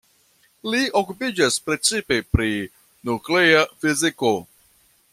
Li okupiĝas precipe pri nuklea fiziko.